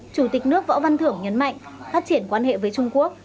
chủ tịch nước võ văn thưởng nhấn mạnh phát triển quan hệ với trung quốc